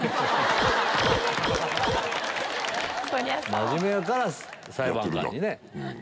真面目やから裁判官にね。